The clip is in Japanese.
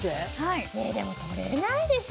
いやでも取れないでしょ。